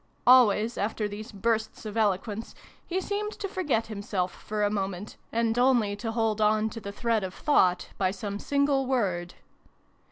" Always, after these bursts of eloquence, he seemed to forget himself for a moment, and only to hold on to the thread of thought by some single word.